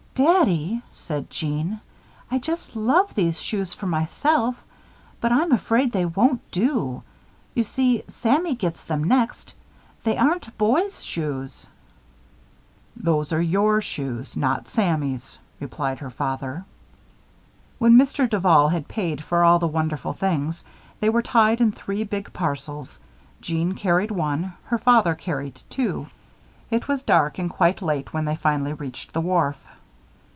"Daddy," said Jeanne, "I just love these shoes for myself; but I'm afraid they won't do. You see, Sammy gets them next. They aren't boys' shoes." "These are your shoes, not Sammy's," replied her father. When Mr. Duval had paid for all the wonderful things, they were tied in three big parcels. Jeanne carried one, her father carried two. It was dark and quite late when they finally reached the wharf.